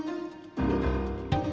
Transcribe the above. iya aku duluan ya